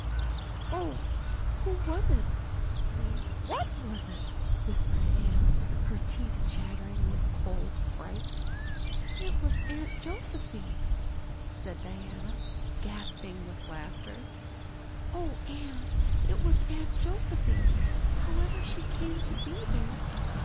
"Oh, who was it what was it?" whispered Anne, her teeth chattering with cold and fright. "It was Aunt Josephine," said Diana, gasping with laughter. "Oh, Anne, it was Aunt Josephine, however she came to be there.